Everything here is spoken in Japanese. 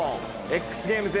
Ｘゲームズ